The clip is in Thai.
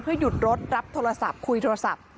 หยุดรถรับโทรศัพท์คุยโทรศัพท์